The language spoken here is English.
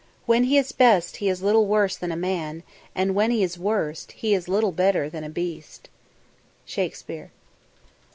"When he is best he is little worse than a man; and when he is worst, he is little better than a beast." SHAKESPEARE.